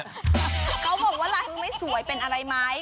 เขาบอกว่าลายมือไม่สวยเป็นอะไรไหม